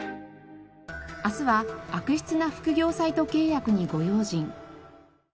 明日は悪質な副業サイト契約にご用心。